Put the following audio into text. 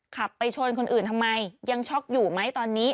ขับไปชนคนอื่นทำไมยังช็อกอยู่ไหมตอนนี้